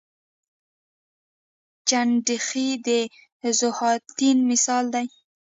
چنډخې د ذوحیاتین مثال دی